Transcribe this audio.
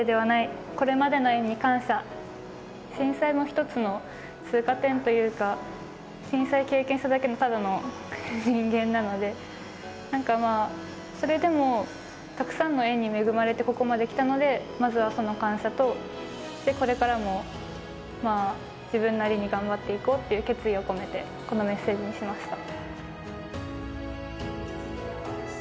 震災も一つの通過点というか震災経験しただけのただの人間なので何かまあそれでもたくさんの縁に恵まれてここまで来たのでまずはその感謝とでこれからもまあ自分なりに頑張っていこうっていう決意を込めてこのメッセージにしました。